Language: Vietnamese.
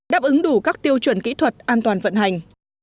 đáp ứng đủ các tiêu chuẩn kỹ thuật an toàn vận hành